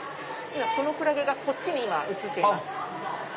このクラゲがこっちに今映っています。